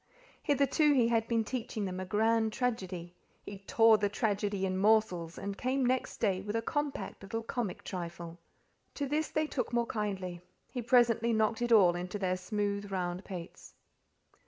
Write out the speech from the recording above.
Hitherto he had been teaching them a grand tragedy; he tore the tragedy in morsels, and came next day with a compact little comic trifle. To this they took more kindly; he presently knocked it all into their smooth round pates.